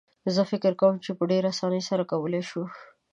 زه فکر کوم په ډېره اسانۍ یې کولای شو.